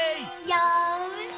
よし！